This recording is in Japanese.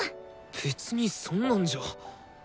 別にそんなんじゃ。